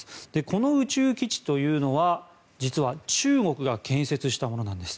この宇宙基地というのは実は中国が建設したものなんです。